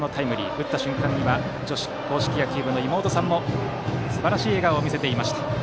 打った瞬間には女子硬式野球部の妹さんもすばらしい笑顔を見せていました。